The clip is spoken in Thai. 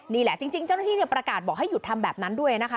นี่แหละจริงเจ้าหน้าที่ประกาศบอกให้หยุดทำแบบนั้นด้วยนะคะ